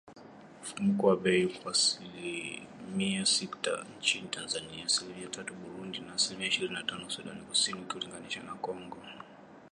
Mfumuko wa bei uko asilimia sita nchini Tanzania, asilimia tatu Burundi na asilimia ishirini na tano Sudan Kusini ukilinganisha na Kongo